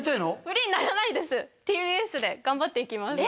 フリーにならないですＴＢＳで頑張っていきます